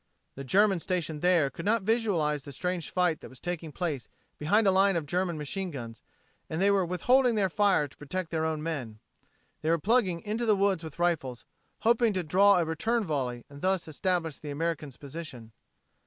The Germans stationed there could not visualize the strange fight that was taking place behind a line of German machine guns, and they were withholding their fire to protect their own men. They were plugging into the woods with rifles, hoping to draw a return volley, and thus establish the American's position.